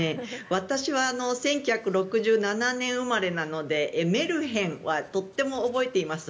私は１９６７年生まれなのでメルヘンはとっても覚えています。